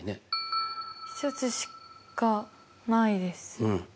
１つしかないです。